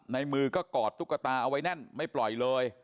ในมือก็กอดตุ๊กตาเอาไว้แน่นไม่ปล่อยเลย